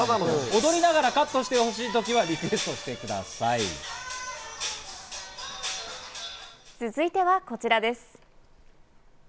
踊りながらカットしたいときはリクエストしてくださいということ続いてはこちらです。